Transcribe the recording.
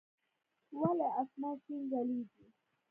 ولي اسمان شين ځليږي؟